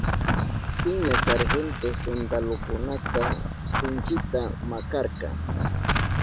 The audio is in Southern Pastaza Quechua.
Piña sargento suntalukunata sinchita makarka.